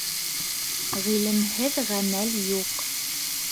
Ғилемһеҙ ғәмәл юҡ.